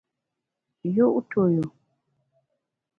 Yu’ tu yu.